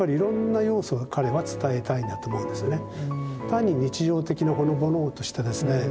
単に日常的なほのぼのとしたですね